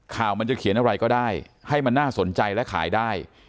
ข่าวมันจะเขียนอะไรก็ได้ให้มันน่าสนใจและขายได้